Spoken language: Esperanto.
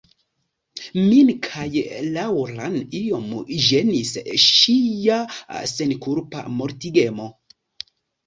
Min kaj Laŭran iom ĝenis ŝia senkulpa mortigemo.